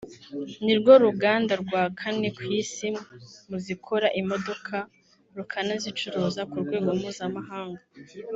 nirwo ruganda rwa kane ku Isi mu zikora imodoka rukanazicuruza ku rwego mpuzamahanga